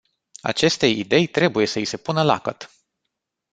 Acestei idei trebuie să i se pună lacăt.